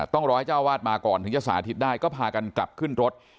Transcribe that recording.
ต้องรอให้เจ้าวาดมาก่อนถึงจะสาธิตได้ก็พากันกลับขึ้นรถ